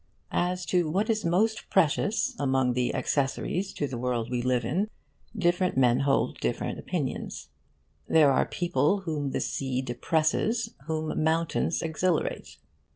As to what is most precious among the accessories to the world we live in, different men hold different opinions. There are people whom the sea depresses, whom mountains exhilarate.